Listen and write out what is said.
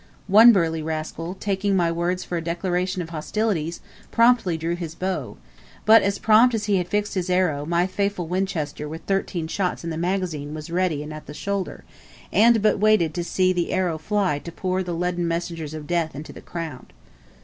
One burly rascal, taking my words for a declaration of hostilities, promptly drew his bow, but as prompt as he had fixed his arrow my faithful Winchester with thirteen shots in the magazine was ready and at the shoulder, and but waited to see the arrow fly to pour the leaden messengers of death into the crowd.